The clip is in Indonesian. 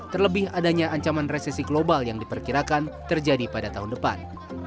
terlebih adanya ancaman resesi global yang diperkirakan terjadi pada tahun depan